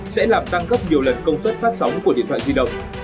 sẽ làm tăng gấp nhiều lần công suất phát sóng của điện thoại di động